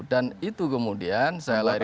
dan itu kemudian saya lahirkan